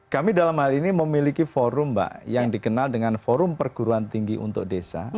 kami dalam hal ini memiliki forum mbak yang dikenal dengan forum perguruan tinggi untuk desa